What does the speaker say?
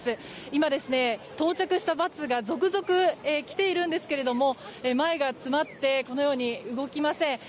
今、到着したバスが続々来ているんですけれども前が詰まってこのように動きません。